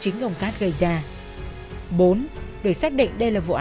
nó kéo gạo xuống dưa